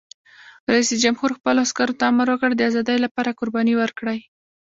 رئیس جمهور خپلو عسکرو ته امر وکړ؛ د ازادۍ لپاره قرباني ورکړئ!